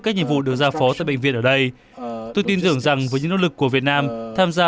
các nhiệm vụ được giao phó tại bệnh viện ở đây tôi tin tưởng rằng với những nỗ lực của việt nam tham gia